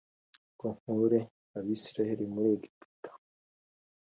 ngo nkure Abisirayeli muri Egiputa